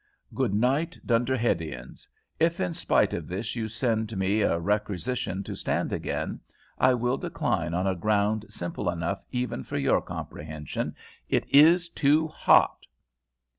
Good night, Dunderheadians. If in spite of this you send me a requisition to stand again, I will decline on a ground simple enough even for your comprehension It is too hot!